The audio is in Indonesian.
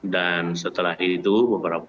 dan setelah itu beberapa